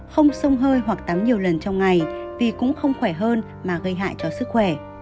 không sông hơi hoặc tắm nhiều lần trong ngày vì cũng không khỏe hơn mà gây hại cho sức khỏe